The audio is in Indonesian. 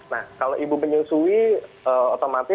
nah kalau ibu menyusui otomatis gizi untuk menurut saya itu harusnya diambil